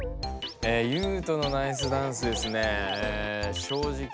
えユウトのナイスダンスですねしょうじき